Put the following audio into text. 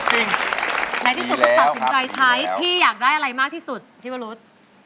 ในที่สุดก็ตัดสินใจใช้พี่อยากได้อะไรมากที่สุดพี่วรุษ